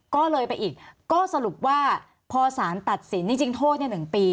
ก็เลยไปอีกก็สรุปว่าพอสารตัดสินจริงโทษ๑ปี